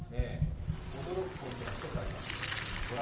驚くポイントが一つあります。